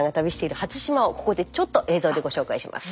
ここでちょっと映像でご紹介します。